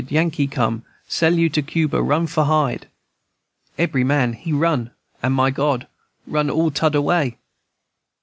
Yankee come, sell you to Cuba! run for hide!' Ebry man he run, and, my God! run all toder way!